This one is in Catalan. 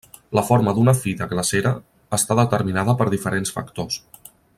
La forma d'una fi de glacera està determinada per diferents factors.